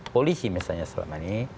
polisi misalnya selama ini